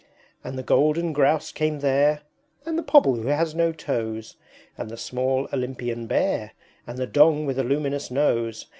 V. And the Golden Grouse came there, And the Pobble who has no toes, And the small Olympian bear, And the Dong with a luminous nose.